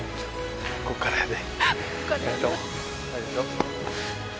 ここからやで。